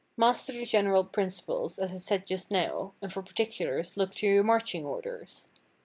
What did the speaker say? Master the general principles, as I said just now, and for particulars look to your marching orders.